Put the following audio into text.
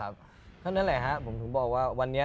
เพราะฉะนั้นแหละครับผมถึงบอกว่าวันนี้